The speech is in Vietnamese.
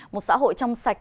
một xã hội trong sạch